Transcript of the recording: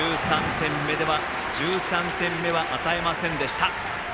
１３点目は与えませんでした。